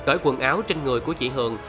chối quần áo trên người của chị hường